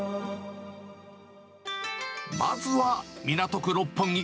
まずは、港区六本木。